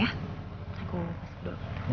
aku masuk dulu